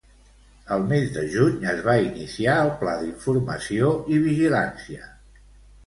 El mes de juny es va iniciar el Pla d'Informació i Vigilància